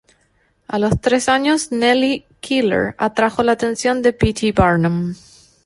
A los tres años Nellie Keeler atrajo la atención de P. T. Barnum.